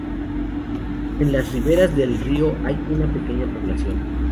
En las riberas del río hay una pequeña población.